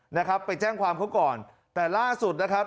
นะครับไปแจ้งความเขาก่อนแต่ล่าสุดนะครับ